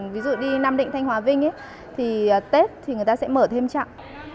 ví dụ đi nam định thanh hóa vinh thì tết thì người ta sẽ mở thêm chặng